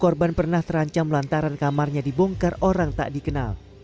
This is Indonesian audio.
korban pernah terancam lantaran kamarnya dibongkar orang tak dikenal